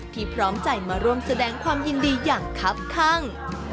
พร้อมใจมาร่วมแสดงความยินดีอย่างครับข้าง